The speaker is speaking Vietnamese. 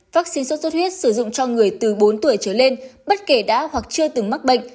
vắc xin xuất xuất huyết sử dụng cho người từ bốn tuổi trở lên bất kể đã hoặc chưa từng mắc bệnh